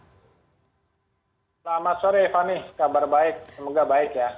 selamat sore fani kabar baik semoga baik ya